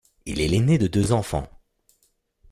Il est l’aîné de deux enfants.